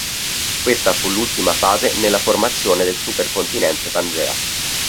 Questa fu l'ultima fase nella formazione del supercontinente Pangea.